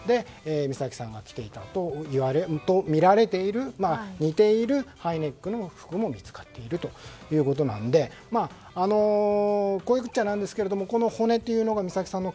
美咲さんが着ていたとみられている似ているハイネックの服も見つかっているということなのでこう言っちゃ何ですけどもこの骨が美咲さんの